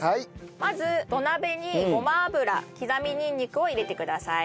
まず土鍋にごま油刻みにんにくを入れてください。